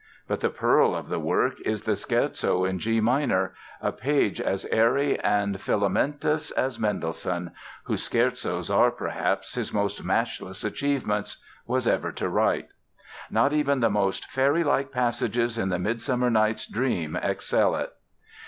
But the pearl of the work is the Scherzo in G minor, a page as airy and filamentous as Mendelssohn—whose scherzos are, perhaps, his most matchless achievements—was ever to write. Not even the most fairylike passages in the "Midsummer Night's Dream" excel it.